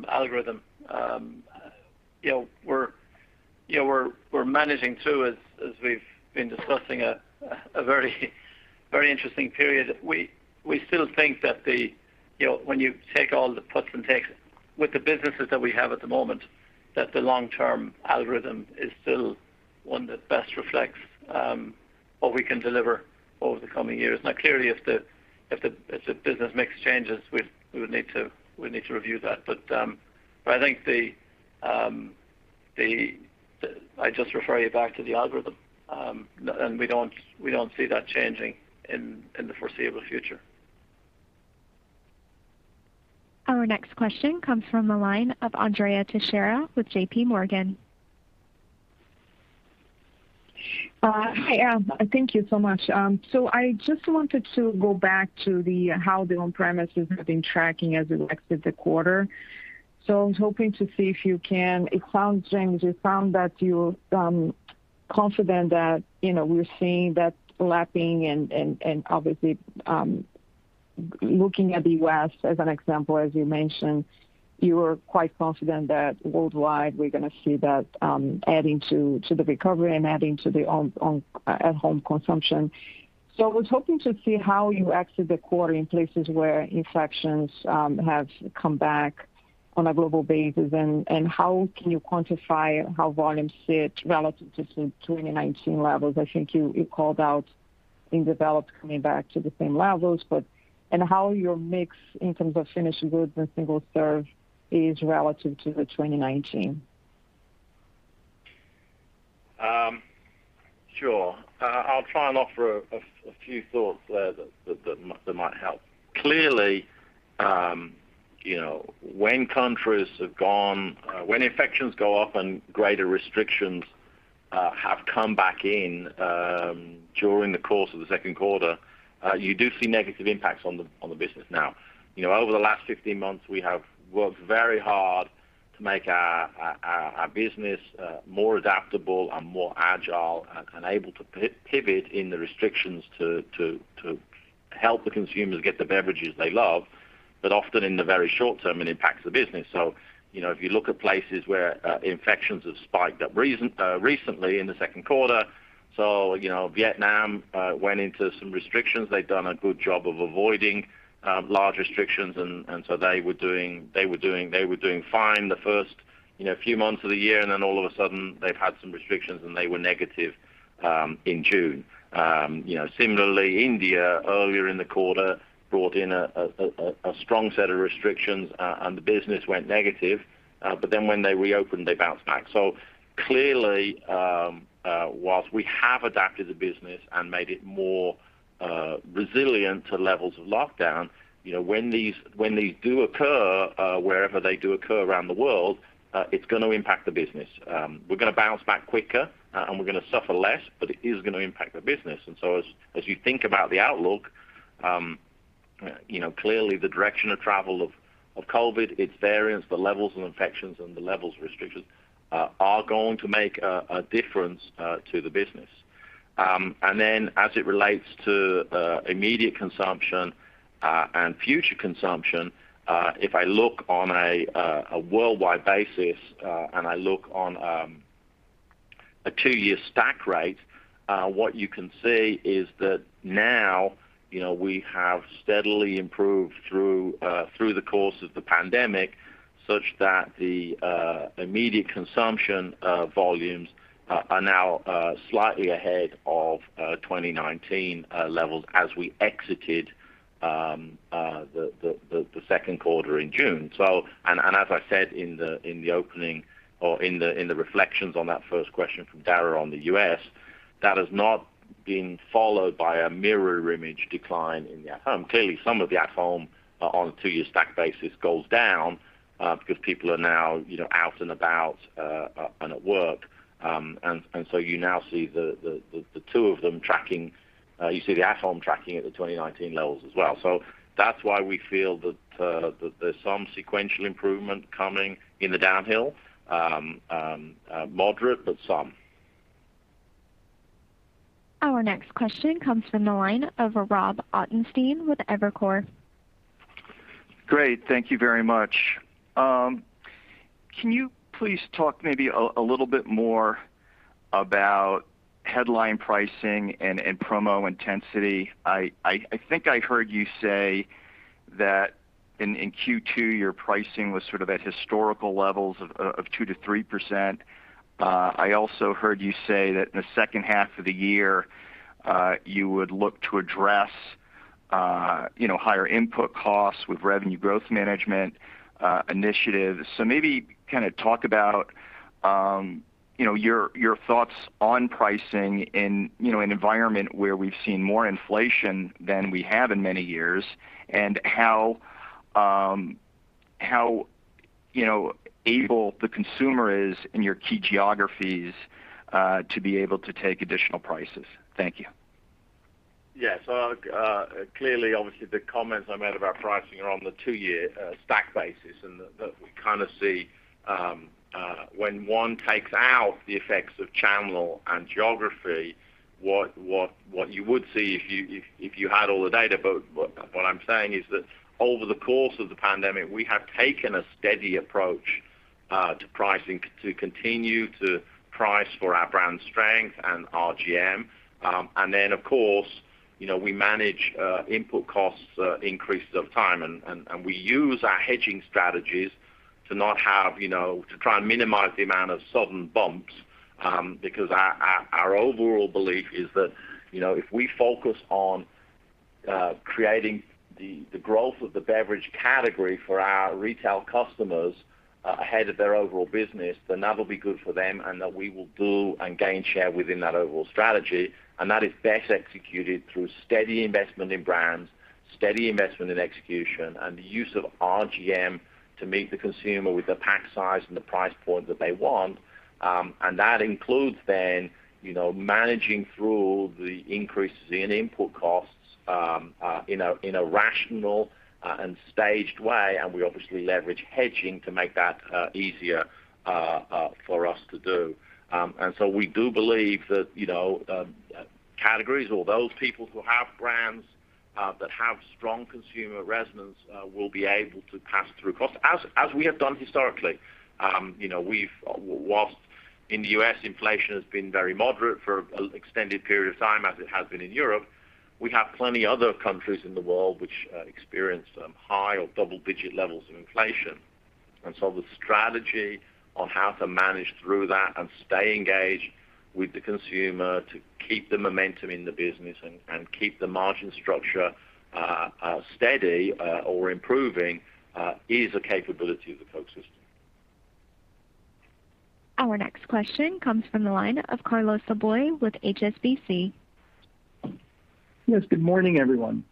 algorithm. We're managing too, as we've been discussing, a very interesting period. We still think that when you take all the puts and takes with the businesses that we have at the moment, that the long-term algorithm is still one that best reflects what we can deliver over the coming years. Clearly, if the business makes changes, we would need to review that. I think I just refer you back to the algorithm, and we don't see that changing in the foreseeable future. Our next question comes from the line of Andrea Teixeira with JPMorgan. Hi. Thank you so much. I just wanted to go back to how the on-premises have been tracking as we exit the quarter. So hoping to see if, James, you sound that you're confident that we're seeing that lapping and obviously, looking at the U.S. as an example, as you mentioned, you're quite confident that worldwide, we're going to see that adding to the recovery and adding to the at-home consumption. I was hoping to see how you exit the quarter in places where infections have come back on a global basis, and how can you quantify how volumes sit relative to the 2019 levels? I think you called out in developed coming back to the same levels, and how your mix in terms of finished goods and single serve is relative to the 2019. Sure. I'll try and offer a few thoughts there that might help. Clearly, when infections go up and greater restrictions have come back in during the course of the second quarter, you do see negative impacts on the business. Over the last 15 months, we have worked very hard to make our business more adaptable and more agile and able to pivot in the restrictions to help the consumers get the beverages they love, but often in the very short term, it impacts the business. If you look at places where infections have spiked up recently in the second quarter, so Vietnam went into some restrictions. They'd done a good job of avoiding large restrictions, and so they were doing fine the first few months of the year, and then all of a sudden they've had some restrictions, and they were negative in June. Similarly, India, earlier in the quarter, brought in a strong set of restrictions, and the business went negative, but then when they reopened, they bounced back. Clearly, whilst we have adapted the business and made it more resilient to levels of lockdown, when these do occur, wherever they do occur around the world, it's going to impact the business. We're going to bounce back quicker, and we're going to suffer less, but it is going to impact the business. As you think about the outlook, clearly the direction of travel of COVID, its variants, the levels of infections, and the levels of restrictions are going to make a difference to the business. Then as it relates to immediate consumption and future consumption, if I look on a worldwide basis. A two-year stack rate, what you can see is that now, we have steadily improved through the course of the pandemic such that the immediate consumption volumes are now slightly ahead of 2019 levels as we exited the second quarter in June. As I said in the opening or in the reflections on that first question from Dara on the U.S., that has not been followed by a mirror image decline in the at home. Clearly, some of the at home are on a two-year stack basis goes down, because people are now out and about and at work. You now see the two of them tracking, you see the at home tracking at the 2019 levels as well. That's why we feel that there's some sequential improvement coming in the downhill. Moderate, but some. Our next question comes from the line of Rob Ottenstein with Evercore. Great. Thank you very much. Can you please talk maybe a little bit more about headline pricing and promo intensity? I think I heard you say that in Q2, your pricing was sort of at historical levels of 2%-3%. I also heard you say that in the second half of the year, you would look to address higher input costs with revenue growth management initiatives. Maybe talk about your thoughts on pricing in an environment where we've seen more inflation than we have in many years, and how able the consumer is in your key geographies to be able to take additional prices. Thank you. Clearly, obviously, the comments I made about pricing are on the 2-year stack basis, and that we kind of see when one takes out the effects of channel and geography, what you would see if you had all the data, but what I'm saying is that over the course of the pandemic, we have taken a steady approach to pricing to continue to price for our brand strength and RGM. Then, of course, we manage input costs increases over time, and we use our hedging strategies to try and minimize the amount of sudden bumps, because our overall belief is that if we focus on creating the growth of the beverage category for our retail customers ahead of their overall business, then that'll be good for them, and that we will do and gain share within that overall strategy. That is best executed through steady investment in brands, steady investment in execution, and the use of RGM to meet the consumer with the pack size and the price point that they want. That includes then managing through the increases in input costs in a rational and staged way, and we obviously leverage hedging to make that easier for us to do. We do believe that categories or those people who have brands that have strong consumer resonance will be able to pass through costs as we have done historically. While in the U.S., inflation has been very moderate for an extended period of time as it has been in Europe, we have plenty other countries in the world which experience high or double-digit levels of inflation. The strategy on how to manage through that and stay engaged with the consumer to keep the momentum in the business and keep the margin structure steady or improving, is a capability of the Coke system. Our next question comes from the line of Carlos Laboy with HSBC. Yes, good morning everyone?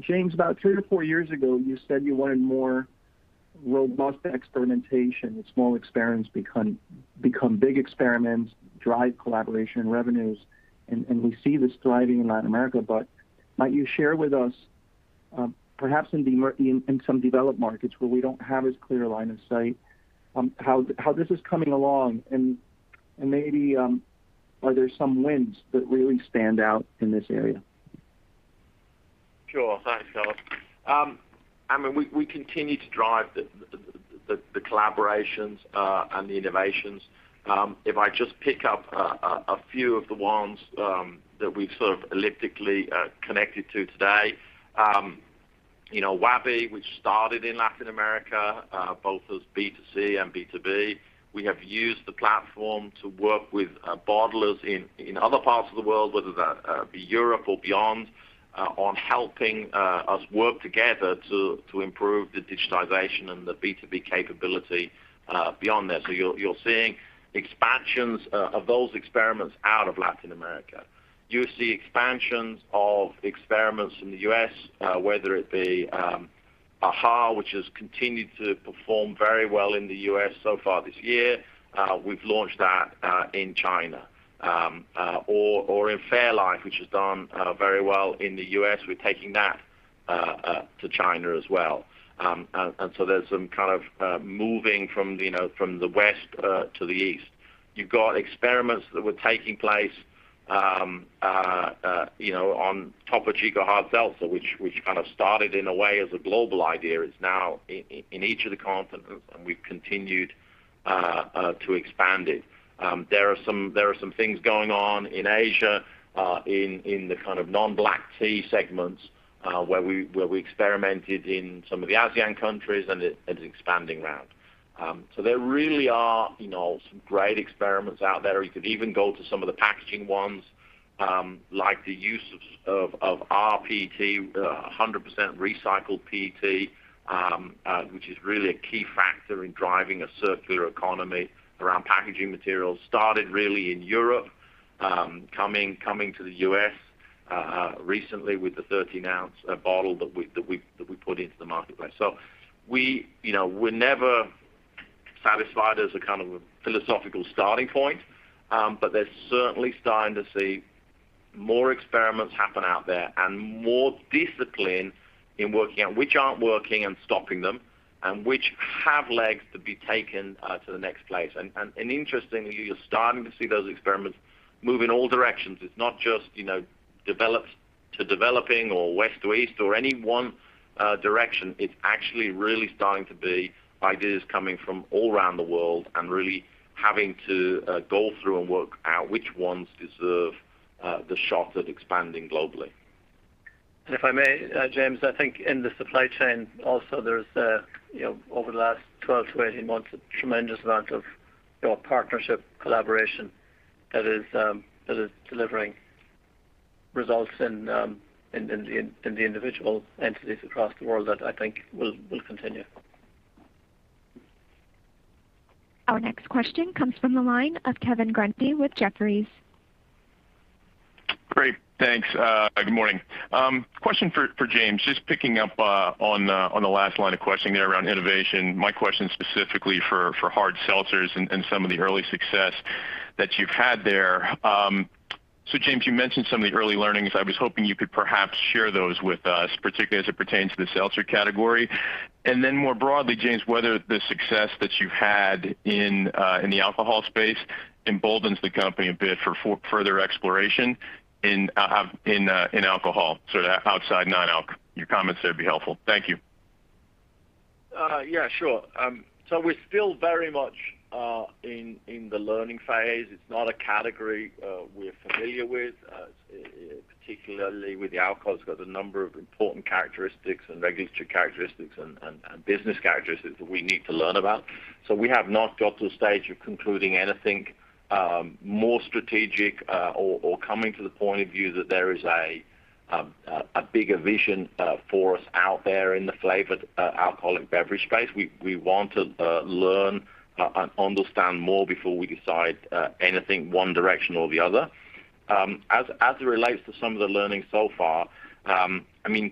James, about three to four years ago, you said you wanted more robust experimentation, with small experiments become big experiments, drive collaboration and revenues. We see this thriving in Latin America, but might you share with us, perhaps in some developed markets where we don't have as clear a line of sight, how this is coming along and maybe, are there some wins that really stand out in this area? Sure. Thanks, Carlos. We continue to drive the collaborations, and the innovations. If I just pick up a few of the ones that we've sort of elliptically connected to today. Wabi, which started in Latin America, both as B2C and B2B. We have used the platform to work with bottlers in other parts of the world, whether that be Europe or beyond, on helping us work together to improve the digitalization and the B2B capability beyond there. You're seeing expansions of those experiments out of Latin America. You see expansions of experiments in the U.S., whether it be AHA, which has continued to perform very well in the U.S. so far this year. We've launched that in China. In fairlife, which has done very well in the U.S., we're taking that to China as well. There's some kind of moving from the West to the East. You've got experiments that were taking place. On Topo Chico Hard Seltzer, which kind of started in a way as a global idea, is now in each of the continents, and we've continued to expand it. There are some things going on in Asia, in the kind of non-black tea segments, where we experimented in some of the ASEAN countries, and it's expanding out. There really are some great experiments out there. You could even go to some of the packaging ones, like the use of rPET, 100% recycled PET, which is really a key factor in driving a circular economy around packaging materials. Started really in Europe, coming to the U.S. recently with the 13-ounce bottle that we put into the marketplace. We're never satisfied as a kind of a philosophical starting point, but they're certainly starting to see more experiments happen out there and more discipline in working out which aren't working and stopping them and which have legs to be taken to the next place. Interestingly, you're starting to see those experiments move in all directions. It's not just developed to developing or West to East or any one direction. It's actually really starting to be ideas coming from all around the world and really having to go through and work out which ones deserve the shot at expanding globally. If I may, James, I think in the supply chain also there's, over the last 12 monts-18 months, a tremendous amount of partnership collaboration that is delivering results in the individual entities across the world that I think will continue. Our next question comes from the line of Kevin Grundy with Jefferies. Great, thanks. Good morning? Question for James, just picking up on the last line of questioning there around innovation. My question specifically for hard seltzers and some of the early success that you've had there. James, you mentioned some of the early learnings. I was hoping you could perhaps share those with us, particularly as it pertains to the seltzer category. Then more broadly, James, whether the success that you've had in the alcohol space emboldens the company a bit for further exploration in alcohol, so outside non-alc. Your comments there would be helpful. Thank you. Yeah, sure. We're still very much in the learning phase. It's not a category we're familiar with, particularly with the alcohol. It's got a number of important characteristics and regulatory characteristics and business characteristics that we need to learn about. We have not got to the stage of concluding anything more strategic or coming to the point of view that there is a bigger vision for us out there in the flavored alcoholic beverage space. We want to learn and understand more before we decide anything one direction or the other. As it relates to some of the learning so far,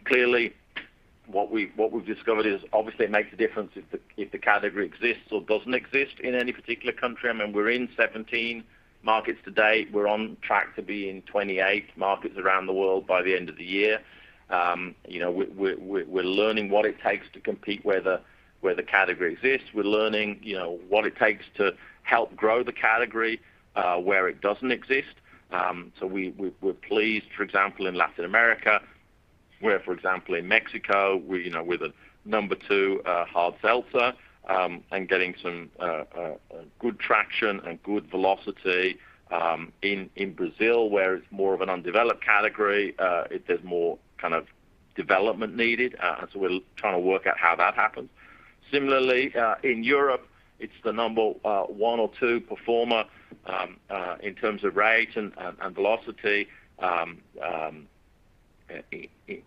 clearly, what we've discovered is obviously it makes a difference if the category exists or doesn't exist in any particular country. We're in 17 markets to date. We're on track to be in 28 markets around the world by the end of the year. We're learning what it takes to compete where the category exists. We're learning what it takes to help grow the category where it doesn't exist. We're pleased, for example, in Latin America, where, for example, in Mexico, we're the number 2 hard seltzer and getting some good traction and good velocity. In Brazil, where it's more of an undeveloped category, there's more kind of development needed. We're trying to work out how that happens. Similarly, in Europe, it's the number one or two performer in terms of rate and velocity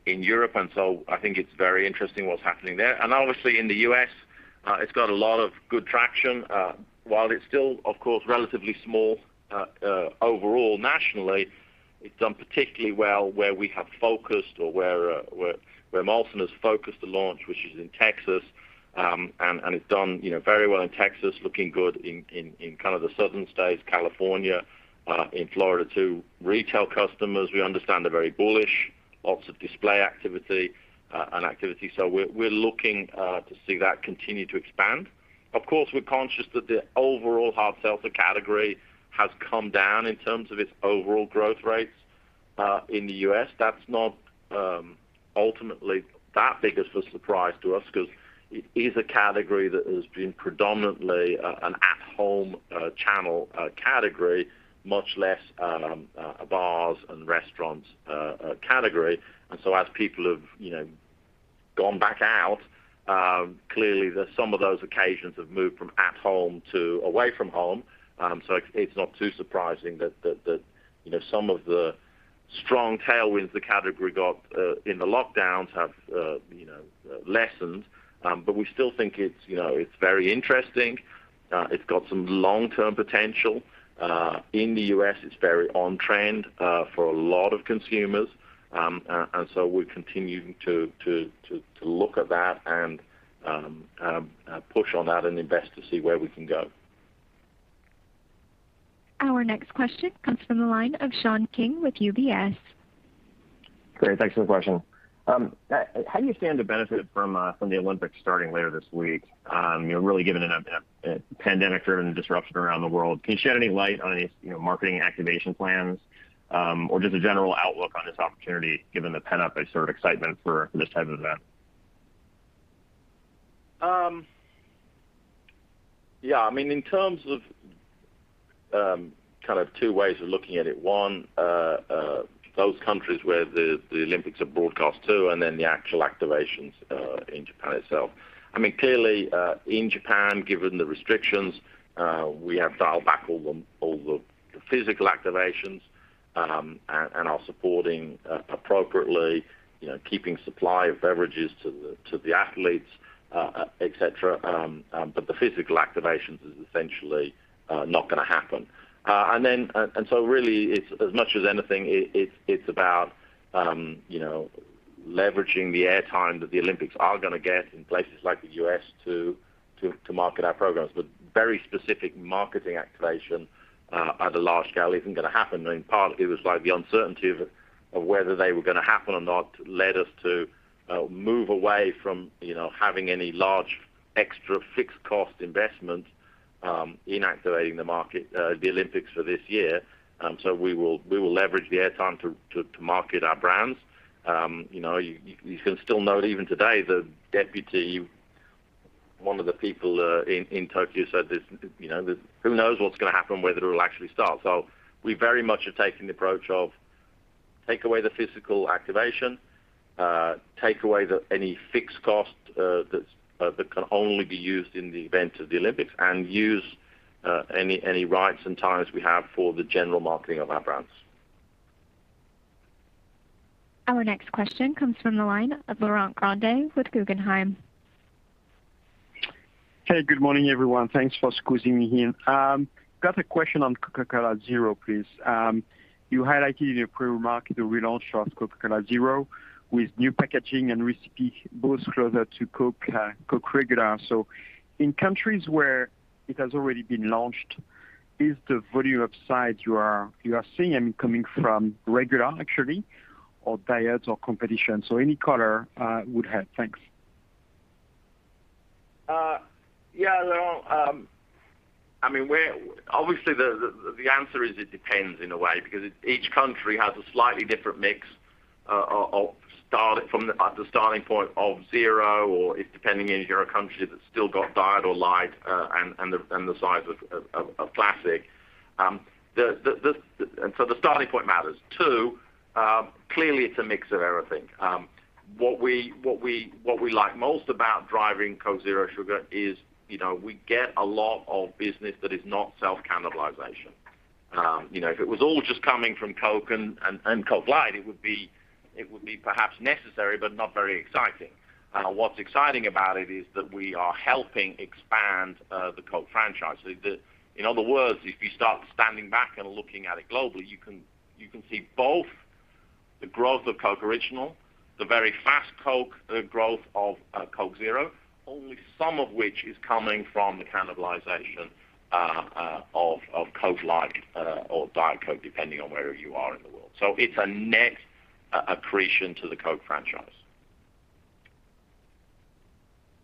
in Europe, and so I think it's very interesting what's happening there. Obviously in the U.S., it's got a lot of good traction. While it's still, of course, relatively small overall nationally, it's done particularly well where we have focused or where Molson has focused the launch, which is in Texas, and it's done very well in Texas, looking good in kind of the southern states, California, in Florida, too. Retail customers, we understand, are very bullish. Lots of display activity. We're looking to see that continue to expand. Of course, we're conscious that the overall hard seltzer category has come down in terms of its overall growth rates in the U.S. That's not ultimately that big a surprise to us because it is a category that has been predominantly an at-home channel category, much less bars and restaurants category. As people have gone back out, clearly there's some of those occasions have moved from at home to away from home. It's not too surprising that some of the strong tailwinds the category got in the lockdowns have lessened. We still think it's very interesting. It's got some long-term potential. In the U.S., it's very on-trend for a lot of consumers. We're continuing to look at that and push on that and invest to see where we can go. Our next question comes from the line of Sean King with UBS. Great. Thanks for the question. How do you stand to benefit from the Olympics starting later this week? Really given a pandemic-driven disruption around the world, can you shed any light on any marketing activation plans, or just a general outlook on this opportunity, given the pent-up excitement for this type of event? Yeah. In terms of two ways of looking at it, one, those countries where the Olympics are broadcast to, and then the actual activations in Japan itself. Clearly, in Japan, given the restrictions, we have dialed back all the physical activations and are supporting appropriately, keeping supply of beverages to the athletes, et cetera, but the physical activations is essentially not going to happen. Really as much as anything, it's about leveraging the air time that the Olympics are going to get in places like the U.S. to market our programs. Very specific marketing activation at a large scale isn't going to happen. In part, it was the uncertainty of whether they were going to happen or not led us to move away from having any large extra fixed cost investment in activating the market, the Olympics for this year. We will leverage the air time to market our brands. You can still note even today, the Deputy, one of the people in Tokyo said who knows what's going to happen, whether it'll actually start. We very much are taking the approach of take away the physical activation, take away any fixed cost that can only be used in the event of the Olympics and use any rights and times we have for the general marketing of our brands. Our next question comes from the line of Laurent Grandet with Guggenheim. Hey, good morning everyone? Thanks for squeezing me in. I've got a question on Coca-Cola Zero, please. You highlighted in your pre-market the relaunch of Coca-Cola Zero with new packaging and recipe both closer to Coke regular. In countries where it has already been launched, is the volume upside you are seeing coming from regular actually, or diet or competition? Any color would help. Thanks. Yeah, Laurent. Obviously, the answer is it depends in a way because each country has a slightly different mix at the starting point of Zero, or depending if you're a country that's still got Diet or Light and the size of Classic. The starting point matters. Two, clearly it's a mix of everything. What we like most about driving Coke Zero Sugar is we get a lot of business that is not self-cannibalization. If it was all just coming from Coke and Coke Light, it would be perhaps necessary, but not very exciting. What's exciting about it is that we are helping expand the Coke franchise. In other words, if you start standing back and looking at it globally, you can see both the growth of Coke Original, the very fast Coke growth of Coke Zero, only some of which is coming from the cannibalization of Coke Light or Diet Coke, depending on where you are in the world. It's a net accretion to the Coke franchise.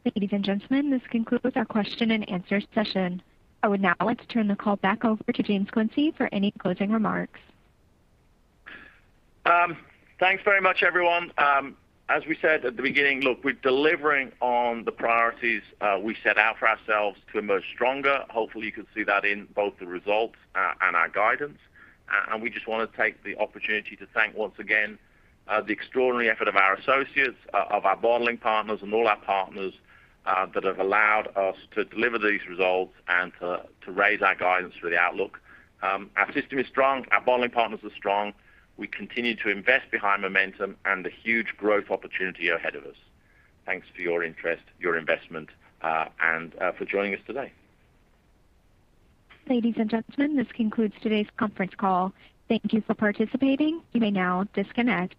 Ladies and gentlemen, this concludes our question-and-answer session. I would now like to turn the call back over to James Quincey for any closing remarks. Thanks very much, everyone. As we said at the beginning, look, we're delivering on the priorities we set out for ourselves to emerge stronger. Hopefully, you can see that in both the results and our guidance. We just want to take the opportunity to thank once again, the extraordinary effort of our associates, of our bottling partners and all our partners that have allowed us to deliver these results and to raise our guidance for the outlook. Our system is strong, our bottling partners are strong. We continue to invest behind momentum and the huge growth opportunity ahead of us. Thanks for your interest, your investment, and for joining us today. Ladies and gentlemen, this concludes today's conference call. Thank you for participating, you may now disconnect.